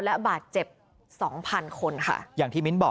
และบาดเจ็บ๒๐๐๐คนค่ะ